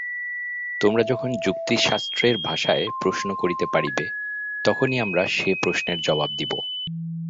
তোমরা যখন যুক্তিশাস্ত্রের ভাষায় প্রশ্ন করিতে পারিবে, তখনই আমরা সে প্রশ্নের জবাব দিব।